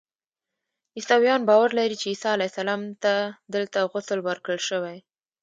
عیسویان باور لري چې عیسی علیه السلام ته دلته غسل ورکړل شوی.